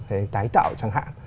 để tái tạo chẳng hạn